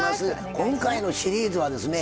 今回のシリーズはですね